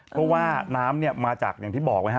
เพราะว่าน้ำเนี่ยมาจากอย่างที่บอกนะฮะ